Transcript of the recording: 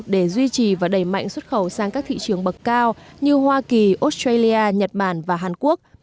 để duy trì và đẩy mạnh xuất khẩu sang các thị trường bậc cao như hoa kỳ australia nhật bản và hàn quốc